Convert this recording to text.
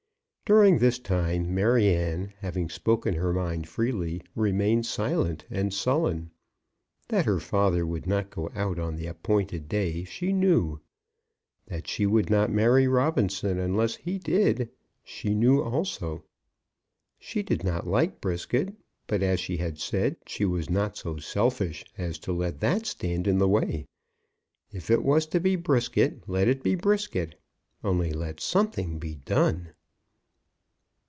During this time Maryanne, having spoken her mind freely, remained silent and sullen. That her father would not go out on the appointed day, she knew. That she would not marry Robinson unless he did, she knew also. She did not like Brisket; but, as she had said, she was not so selfish as to let that stand in the way. If it was to be Brisket, let it be Brisket. Only let something be done.